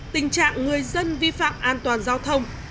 tình trạng người dân vi phạm an toàn giao thông